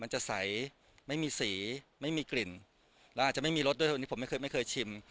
มันจะใสไม่มีสีไม่มีกลิ่นแล้วอาจจะไม่มีรสด้วยวันนี้ผมไม่เคยไม่เคยชิม